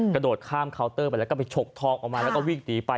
กระโดดข้ามเคาน์เตอร์ไปแล้วก็ไปฉกทองออกมาแล้วก็วิ่งหนีไป